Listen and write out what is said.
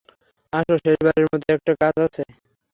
আসো শেষবারের মতো একটা কাজ আছে।